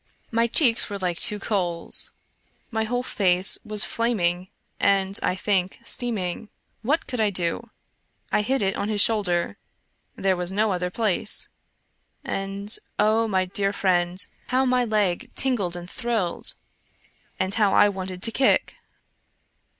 My cheeks were like two coals, my whole face was flaming and, I think, steaming. What could I do? I hid it on his shoulder — there was no other place. And, oh, my dear friend, how my leg tingled and thrilled, and how I wanted to kick